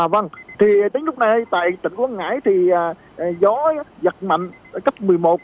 vâng thì đến lúc này tại tỉnh quảng ngãi thì gió giật mạnh cấp một mươi một